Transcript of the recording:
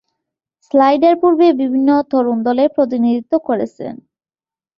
Snyder পূর্বে বিভিন্ন তরুন দলের প্রতিনিধিত্ব করেছেন।